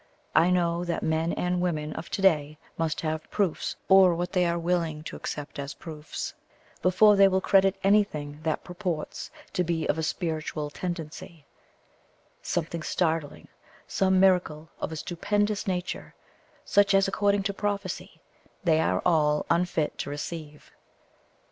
I know that men and women of to day must have proofs, or what they are willing to accept as proofs, before they will credit anything that purports to be of a spiritual tendency; something startling some miracle of a stupendous nature, such as according to prophecy they are all unfit to receive.